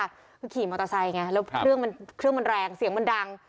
คือขี่มอเตอร์ไซค์ไงแล้วเครื่องมันเครื่องมันแรงเสียงมันดัง